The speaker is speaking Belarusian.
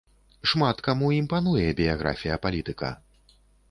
Шмат каму імпануе біяграфія палітыка.